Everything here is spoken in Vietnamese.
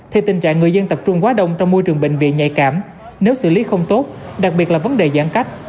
thì tình trạng người dân tập trung quá đông trong môi trường bệnh viện nhạy cảm nếu xử lý không tốt đặc biệt là vấn đề giãn cách